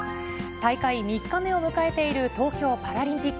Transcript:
大会３日目を迎えている東京パラリンピック。